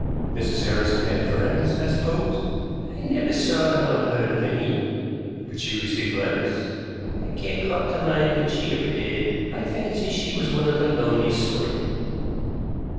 "Mrs. Harrison had friends, I suppose?" "I never saw nor heard of any." "But she received letters?" "I can't call to mind that she ever did. I fancy she was one of the lonely sort."